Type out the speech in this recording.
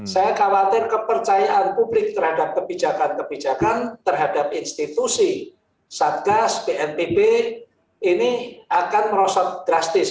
saya khawatir kepercayaan publik terhadap kebijakan kebijakan terhadap institusi satgas bnpb ini akan merosot drastis